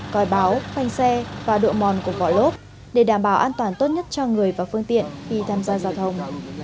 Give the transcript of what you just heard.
còi báo phanh xe và độ mòn của vỏ lốt để đảm bảo an toàn tốt nhất cho người và phương tiện khi tham gia giao thông